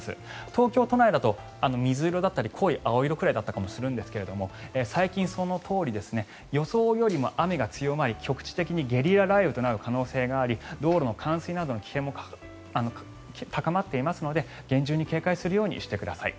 東京都内だと水色だったり濃い青色ぐらいだったりするんですけど最近、そのとおり予想よりも雨が強まり局地的にゲリラ雷雨となる可能性があり道路の冠水などの危険も高まっていますので厳重に警戒するようにしてください。